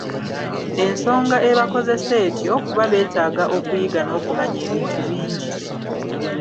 Ensonga ebakozesa etyo, kuba beetaaga okuyiga n'okumanya ebintu bingi.